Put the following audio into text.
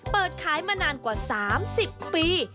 เปิดขายมานานกว่า๓๐ปี